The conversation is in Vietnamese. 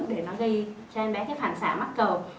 để nó gây cho em bé cái phản xả mắc cầu